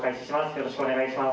よろしくお願いします。